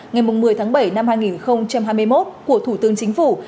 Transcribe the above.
ngày một mươi tháng bảy năm hai nghìn hai mươi một của thủ tướng chính phủ